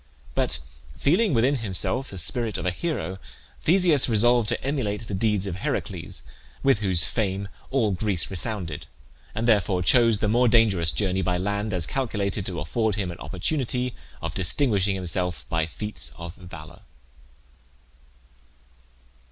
But feeling within himself the spirit of a hero, Theseus resolved to emulate the deeds of Heracles, with whose fame all Greece resounded, and therefore chose the more dangerous journey by land, as calculated to afford him an opportunity of distinguishing himself by feats of valour.